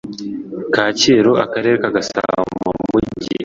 kacyiru akarere ka gasabo mu mujyi